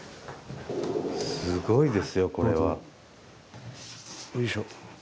すごいですよこれは。よいしょ。